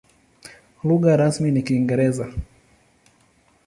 Lugha rasmi ni Kiingereza.